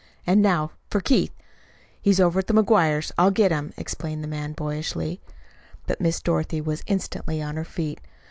"And now for Keith! He's over to the McGuires'. I'll get him!" exclaimed the man boyishly. But Miss Dorothy was instantly on her feet.